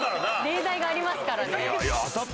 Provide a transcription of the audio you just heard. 例題がありますからね。